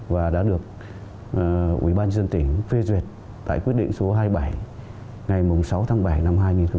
và đã được ủy ban dân tỉnh phê duyệt tại quyết định số hai mươi bảy ngày sáu tháng bảy năm hai nghìn một mươi chín